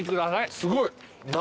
すごい。